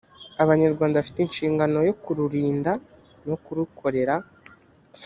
abanyarwanda bafite inshingano yo kururinda no kurukorera.